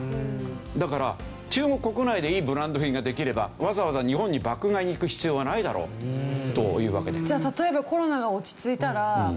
だから中国国内でいいブランド品ができればわざわざ日本に爆買いに行く必要はないだろうというわけです。